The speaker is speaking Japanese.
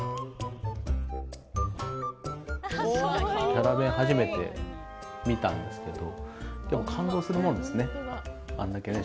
キャラ弁初めて見たんですけど感動するもんですね。